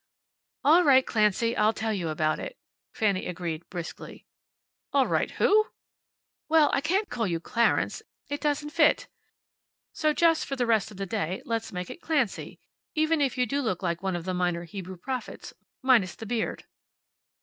"All right, Clancy. I'll tell you all about it," Fanny agreed, briskly. "All right who!" "Well, I can't call you Clarence. It doesn't fit. So just for the rest of the day let's make it Clancy, even if you do look like one of the minor Hebrew prophets, minus the beard."